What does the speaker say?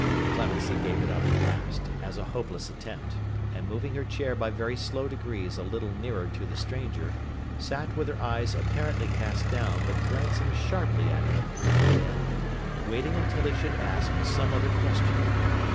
Clemency gave it up at last, as a hopeless attempt; and moving her chair by very slow degrees a little nearer to the stranger, sat with her eyes apparently cast down but glancing sharply at him now and then, waiting until he should ask some other question.